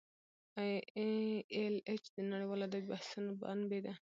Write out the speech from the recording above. ای ایل ایچ د نړیوالو ادبي بحثونو منبع ده.